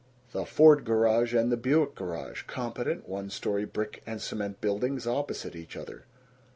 The Ford Garage and the Buick Garage, competent one story brick and cement buildings opposite each other.